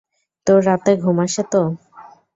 তোর রাতে ঘুম আসে তো?